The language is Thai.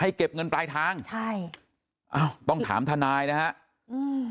เก็บเงินปลายทางใช่อ้าวต้องถามทนายนะฮะอืม